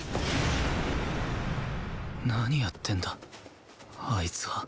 何やってんだあいつは。